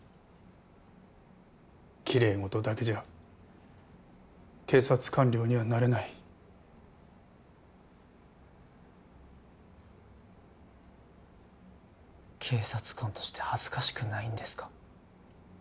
きれい事だけじゃ警察官僚にはなれない警察官として恥ずかしくないんですか？